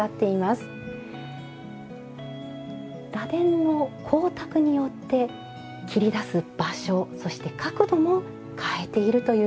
螺鈿の光沢によって切り出す場所そして角度も変えているということです。